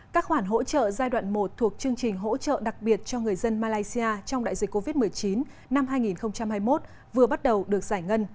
các khoản hỗ trợ giai đoạn một thuộc chương trình hỗ trợ đặc biệt cho người dân malaysia trong đại dịch covid một mươi chín năm hai nghìn hai mươi một vừa bắt đầu được giải ngân